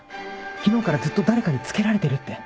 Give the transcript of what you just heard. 昨日からずっと誰かにつけられてるって。